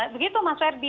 begitu mas ferdi